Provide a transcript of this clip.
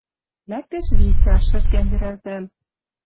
Лӓктеш Витя, шӹжгӓн йӹрӓлтӓл...